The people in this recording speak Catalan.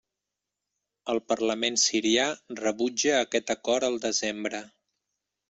El Parlament sirià rebutja aquest acord el desembre.